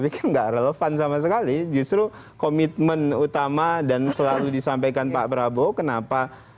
pikir nggak relevan sama sekali justru komitmen utama dan selalu disampaikan pak prabowo kenapa